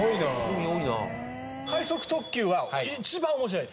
快速特急は一番面白い。